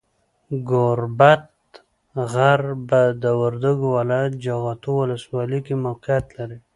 ګوربت غر، په وردګو ولایت، جغتو ولسوالۍ کې موقیعت لري.